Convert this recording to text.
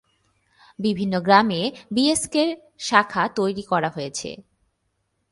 বিভিন্ন গ্রামে বিএসকে-র শাখা তৈরি করা হয়েছে।